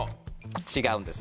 違うんです